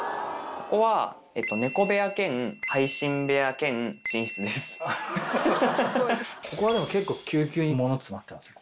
ここはでも結構キュウキュウに物詰まってますね。